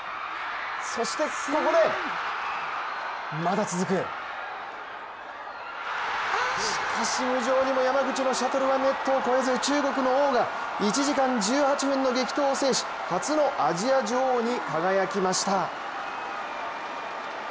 そしてここでまだ続くしかし、無情にも山口のシャトルはネットを越えず、中国のオウが１時間１８分の激闘を制し初のアジア女王に輝きました。